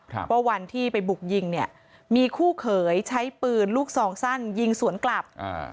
ว่าวันที่ไปบุกยิงเนี่ยมีคู่เขยใช้ปืนลูกซองสั้นยิงสวนกลับอ่า